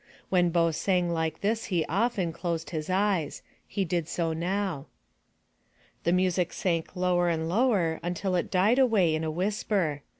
When Bo sang like this he often closed his eyes. He did so now. The music sank lower and lower, until it died away in a whisper.